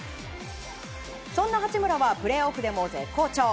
そんな八村はプレーオフでも絶好調。